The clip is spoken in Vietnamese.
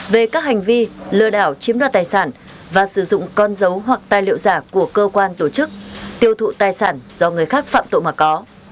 về các hành vi lừa đảo chiếm đoạt tài sản và sử dụng con dấu hoặc tài liệu giả của cơ quan tổ chức tiêu thụ tài sản do người khác phạm tội mà có